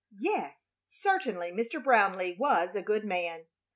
Yes, certainly Mr. Brownleigh was a good man.